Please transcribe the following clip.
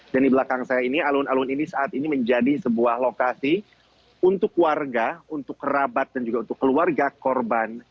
dan di belakang saya ini alun alun ini saat ini menjadi sebuah lokasi untuk warga untuk kerabat dan juga untuk keluarga korban